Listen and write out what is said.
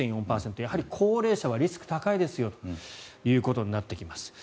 やはり高齢者はリスクが高いですよということになってきます。